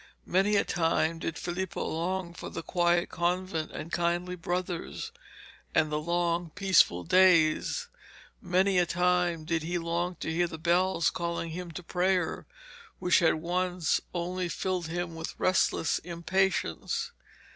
Many a time did Filippo long for the quiet convent, the kindly brothers, and the long peaceful days. Many a time did he long to hear the bells calling him to prayer, which had once only filled him with restless impatience.